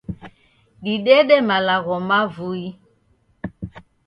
Didede malagho mavui.